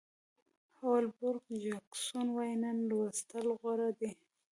هول بروک جاکسون وایي نن لوستل غوره دي.